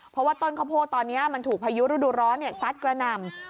เพราะว่าต้นข้าวโพดตอนนี้มันถูกพายุฤดูร้อนซัดกระหน่ำ